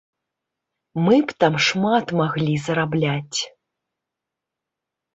Мы б там шмат маглі зарабляць!